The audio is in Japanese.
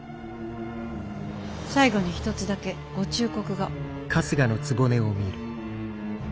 最後に一つだけご忠告が。